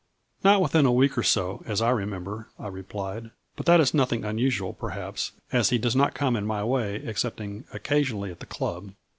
" Not within a week or so, as I remember," I replied, " but that is nothing unusual perhaps, as he does not come in my way excepting oc casionally at the club.